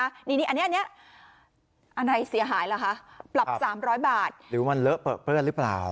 อันนี้อะไรเสียหายล่ะคะปรับ๓๐๐บาทหรือมันเลอะเปลือเปื้อนหรือเปล่า